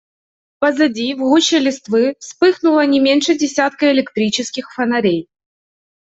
Позади, в гуще листвы, вспыхнуло не меньше десятка электрических фонарей.